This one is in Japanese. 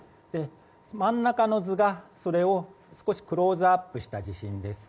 真ん中の図がそれを少しクローズアップした地震です。